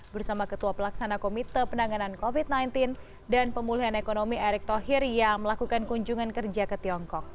bersama ketua pelaksana komite penanganan covid sembilan belas dan pemulihan ekonomi erick thohir yang melakukan kunjungan kerja ke tiongkok